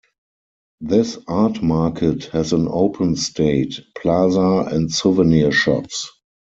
This art market has an open state, plaza, and souvenir shops.